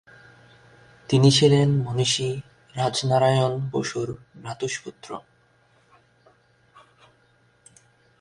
তিনি ছিলেন মনীষী রাজনারায়ণ বসুর ভ্রাতুষ্পুত্র।